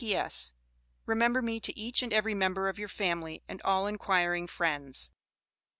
P.S. Remember me to each, and every member of your familly and all Enquiring Friends.